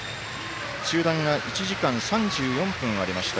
中断が１時間３４分ありました